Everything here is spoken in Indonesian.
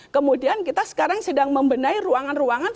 kemudian kita sekarang sedang membenahi ruangan ruangan